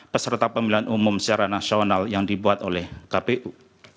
peserta pemilihan umum secara nasional yang dibuat oleh kpu